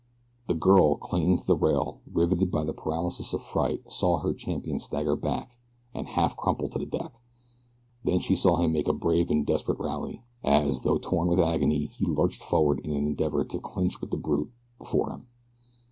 The girl, clinging to the rail, riveted by the paralysis of fright, saw her champion stagger back and half crumple to the deck. Then she saw him make a brave and desperate rally, as, though torn with agony, he lurched forward in an endeavor to clinch with the brute before him.